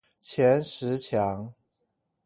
前十強